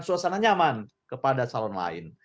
suasana nyaman kepada calon lain